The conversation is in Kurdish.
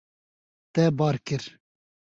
Te bar kir.